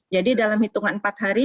jadi dalam hitungan empat hari